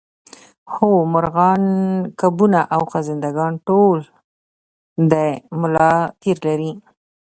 هو مارغان کبونه او خزنده ګان ټول د ملا تیر لري